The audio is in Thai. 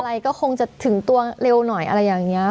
อะไรก็คงจะถึงตัวเร็วหน่อยอะไรอย่างนี้